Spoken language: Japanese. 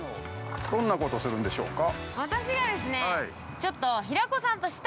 ◆どんなことをするんでしょうか。